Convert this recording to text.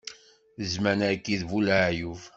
Zzman-agi d bu leɛyub